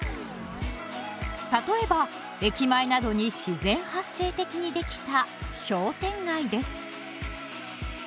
例えば駅前などに自然発生的に出来た商店街です。